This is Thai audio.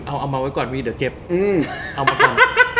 เอามาไว้ก่อนไม่ว่าจะเจ็บ